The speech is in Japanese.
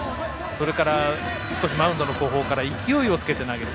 それからマウンドの後方から勢いをつけて投げる。